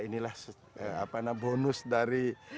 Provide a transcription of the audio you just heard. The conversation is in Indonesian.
inilah bonus dari